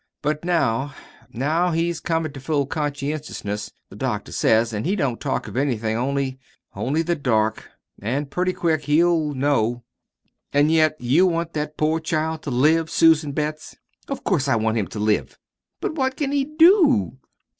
But now now he's comin' to full conscientiousness, the doctor says; an' he don't talk of anything only only the dark. An' pretty quick he'll know." "An' yet you want that poor child to live, Susan Betts!" "Of course I want him to live!" "But what can he DO?"